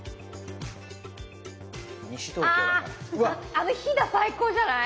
ああのヒダ最高じゃない？